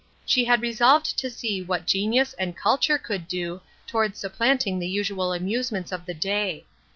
She had resolved to see what genius and culture could do toward supplanting the usual amusements of the day.